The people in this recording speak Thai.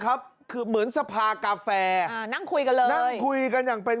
ครับคือเหมือนสภากาแฟอ่านั่งคุยกันเลยนั่งคุยกันอย่างเป็น